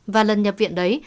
và lần nhập viện đấy